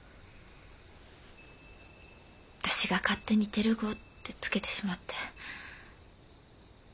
私が勝手にテル号って付けてしまって。